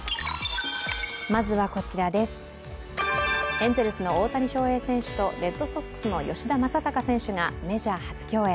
エンゼルスの大谷翔平選手とレッドソックスの吉田正尚選手がメジャー初共演。